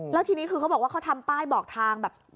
แล้วทีนี้คือเขาบอกว่าเขาทำป้ายบอกทางแบบ